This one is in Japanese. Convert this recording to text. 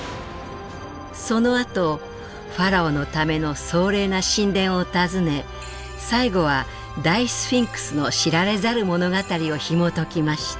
そのあとファラオのための壮麗な神殿を訪ね最後は大スフィンクスの知られざる物語をひもときました。